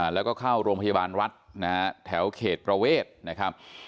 แล้วก็เข้าโรงพยาบาลรัฐนะฮะแถวเขตประเวทนะครับ